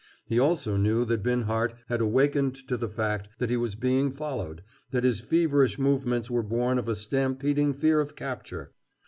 He also knew that Binhart had awakened to the fact that he was being followed, that his feverish movements were born of a stampeding fear of capture.